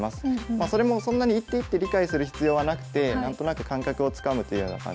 それもそんなに一手一手理解する必要はなくて何となく感覚をつかむというような感じで。